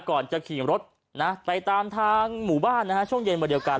ก่อนจะขี่รถนะไปตามทางหมู่บ้านนะฮะช่วงเย็นวันเดียวกัน